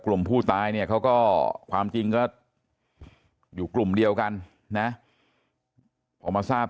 กลุ่มผู้ตายเนี่ยเขาก็ความจริงก็อยู่กลุ่มเดียวกันนะพอมาทราบ